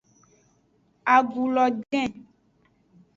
Agu lo den.